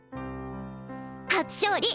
初勝利